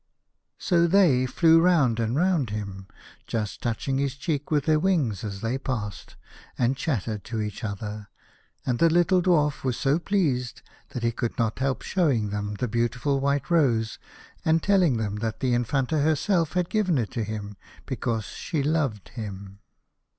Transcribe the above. So they flew round and round him, just touching his cheek with their wings as they passed, and chattered to each other, and the little Dwarf was so pleased that he could not help showing them the beautiful white rose, and telling them that the Infanta her self had given it to him because she loved him.